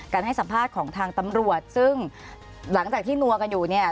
ให้สัมภาษณ์ของทางตำรวจซึ่งหลังจากที่นัวกันอยู่เนี่ย